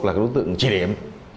là đối tượng trị điểm